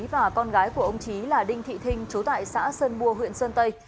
và con gái của ông trí là đinh thị thinh trú tại xã sơn mua huyện sơn tây